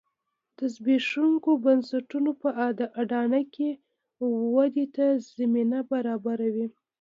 د زبېښونکو بنسټونو په اډانه کې ودې ته زمینه برابروي